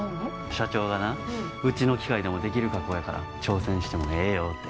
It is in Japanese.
社長がなうちの機械でもできる加工やから挑戦してもええよって。